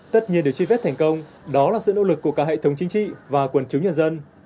tất nhiên được truy vết thành công đó là sự nỗ lực của cả hệ thống chính trị và quần chúng nhân dân